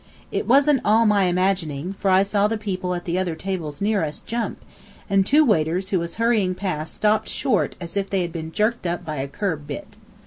It wasn't all my imagining, for I saw the people at the other tables near us jump, and two waiters who was hurrying past stopped short as if they had been jerked up by a curb bit.